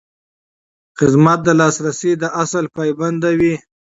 خدمت د لاسرسي د اصل پابند وي.